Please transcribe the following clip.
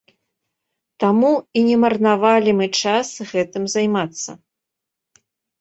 Таму і не марнавалі мы час гэтым займацца.